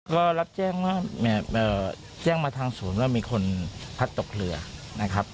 ก็รับแจ้งว่าแจ้งมาทางศูนย์ว่ามีคนพัดตกเรือนะครับ